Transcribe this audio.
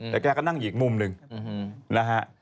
แต่แกก็นั่งอยู่อีกมุมนึงนะฮะ